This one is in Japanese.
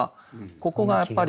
ここがやっぱり。